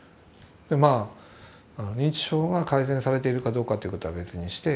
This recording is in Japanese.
まあ認知症が改善されているかどうかということは別にして。